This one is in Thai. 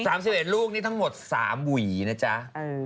แล้วนี่๓๑ลูกนี้ทั้งหมดสามหวีนะจ๊า